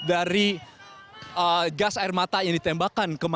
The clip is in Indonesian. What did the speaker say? anda bisa masih dengar dentuman dentuman suara dari gas air mata yang ditembakkan ke mata